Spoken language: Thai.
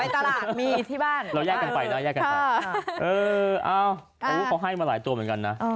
ตลาดมีที่บ้านเราแยกกันไปนะแยกกันไปเขาให้มาหลายตัวเหมือนกันนะ